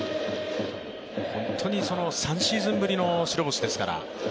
本当に３シーズンぶりの白星ですから。